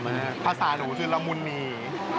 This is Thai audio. นุ่มมากเพลาะทาสาหรูสือลามุนนี